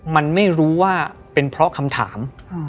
มันไม่รู้ว่าเป็นเพราะคำถาม